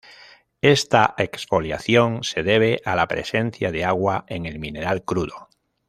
Esta exfoliación se debe a la presencia de agua en el mineral crudo.